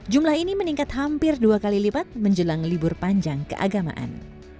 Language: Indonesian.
jumlah ini meningkat hampir dua kali lipat menjelang libur panjang keagamaan